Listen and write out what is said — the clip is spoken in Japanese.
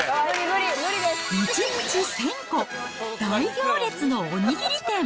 １日１０００個、大行列のお握り店。